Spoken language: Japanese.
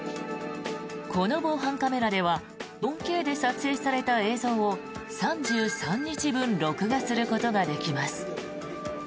この防犯カメラでは４Ｋで撮影された映像を３３日分録画することができます。